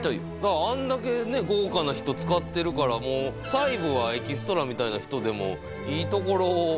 あんだけ豪華な人使ってるから細部はエキストラみたいな人でもいいところを。